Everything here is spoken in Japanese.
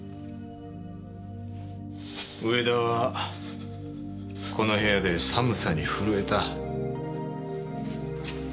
上田はこの部屋で寒さに震えた。